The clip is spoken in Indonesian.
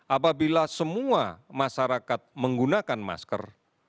apabila semua masyarakat menggunakan masker